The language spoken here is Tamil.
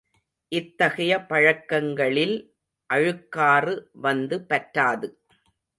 இத்தகைய பழக்கங்களில் அழுக்காறு வந்து பற்றாது.